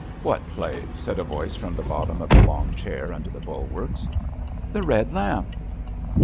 ''^^ What play? *' said a voice from the bottom of the long chair under the bulwarks. '' The Bed Lamp.''